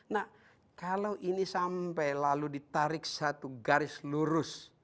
nah kalau ini sampai lalu ditarik satu garis lurus